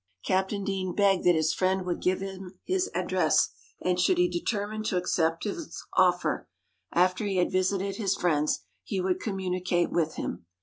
Captain Deane begged that his friend would give him his address, and should he determine to accept his offer, after he had visited his friends, he would communicate with him.